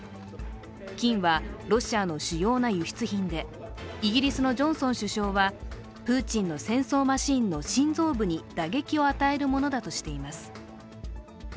金はロシアの主要な輸出品でイギリスのジョンソン首相はプーチンの戦争マシンの心臓部に打撃を与えるものだとしています。